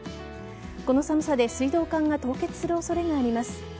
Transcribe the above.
この寒さで水道管が凍結する恐れがあります。